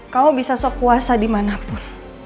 kamu bisa sok kuasa dimanapun